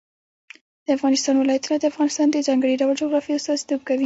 د افغانستان ولايتونه د افغانستان د ځانګړي ډول جغرافیه استازیتوب کوي.